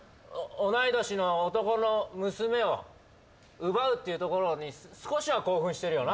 同い年の男の娘を奪うっていうところに少しは興奮してるよな？